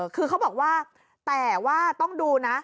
คือเขาบอกว่าแต่ว่าต้องดูนะ